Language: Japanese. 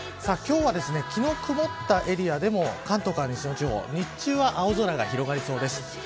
今日は昨日、曇ったエリアでも関東から西の地方日中は青空が広がりそうです。